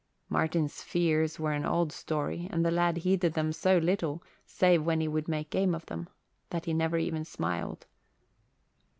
Martin's fears were an old story and the lad heeded them so little, save when he would make game of them, that he never even smiled.